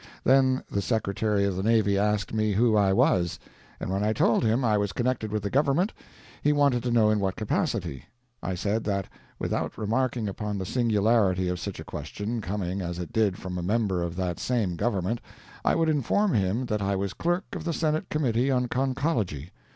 Then the Secretary of the Navy asked me who I was; and when I told him I was connected with the government, he wanted to know in what capacity. I said that, without remarking upon the singularity of such a question, coming, as it did, from a member of that same government, I would inform him that I was clerk of the Senate Committee on Conchology.